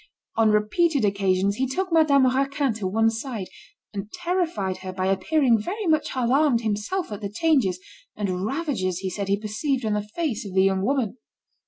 On repeated occasions, he took Madame Raquin to one side, and terrified her by appearing very much alarmed himself at the changes and ravages he said he perceived on the face of the young woman.